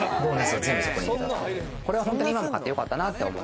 これは本当に、今も買ってよかったなと思う。